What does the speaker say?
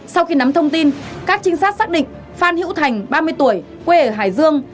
sau khi nắm thông tin các trinh sát xác định phan hữu thành ba mươi tuổi quê ở hải dương